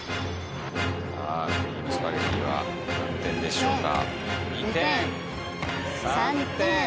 クリームスパゲティは何点でしょうか？